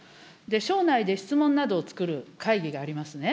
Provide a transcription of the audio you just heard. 省内で質問などをつくる会議がありますね。